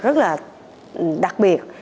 rất là đặc biệt